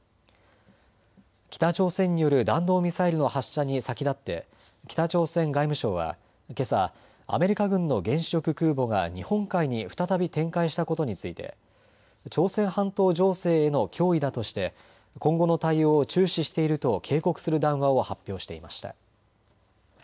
北朝鮮による弾道ミサイルの発射に先立って北朝鮮外務省はけさ、アメリカ軍の原子力空母が日本海に再び展開したことについて朝鮮半島情勢への脅威だとして今後の対応を注視していると警告する談話を発表していました。